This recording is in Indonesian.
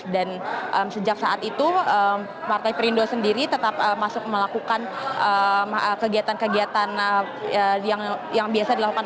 dan sejak saat itu partai perindo sendiri tetap masuk melakukan kegiatan kegiatan yang biasa dilakukan